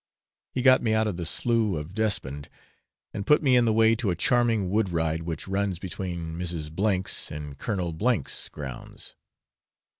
He got me out of my Slough of Despond, and put me in the way to a charming wood ride which runs between Mrs. W 's and Colonel H 's grounds.